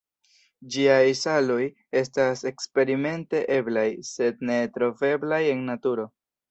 Ĝiaj saloj estas eksperimente eblaj, sed ne troveblaj en naturo.